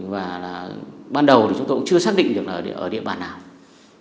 và ban đầu thì chúng tôi cũng chưa xác định được là ở địa bàn nào